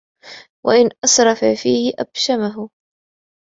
وَإِنْ أَسْرَفَ فِيهِ أَبْشَمَهُ